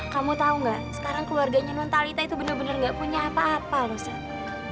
kamu tau gak sekarang keluarganya non talita itu bener bener gak punya apa apa loh sat